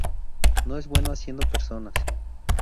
No es bueno haciendo personas.